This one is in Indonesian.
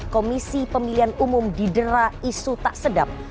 komisi pemilihan umum didera isu tak sedap